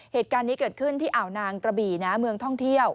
เหตุการณ์นี้เกิดขึ้นที่อ่าวนางกระบี่นะเมืองท่องเที่ยว